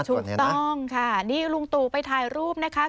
ถูกต้องค่ะนี่ลุงตู่ไปถ่ายรูปนะคะ